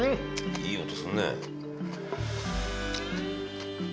いい音するね。